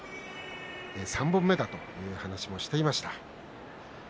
３本目だという話もしていました。